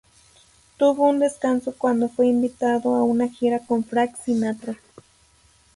Tuvo un descanso cuando fue invitado a una gira con Frank Sinatra.